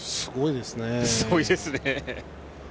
すごいですね。